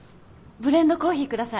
ブレンドコーヒー下さい。